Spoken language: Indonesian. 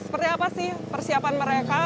seperti apa sih persiapan mereka